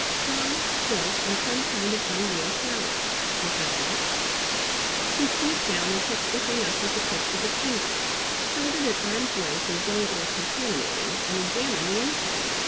Straw, silk and some kind of unreal flowers. Was that all? He stooped down and picked the thing up with the tips of his fingers, held it at arms length as though it were contaminating, and examined the inside.